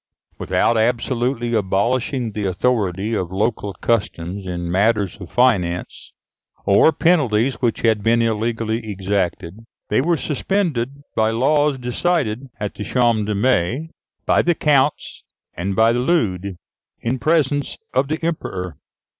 Without absolutely abolishing the authority of local customs in matters of finance, or penalties which had been illegally exacted, they were suspended by laws decided at the Champs de Mai, by the Counts and by the Leudes, in presence of the Emperor.